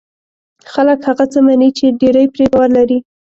خلک هغه څه مني چې ډېری پرې باور لري.